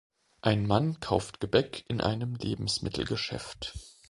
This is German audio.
Ein Mann kauft Gebäck in einem Lebensmittelgeschäft.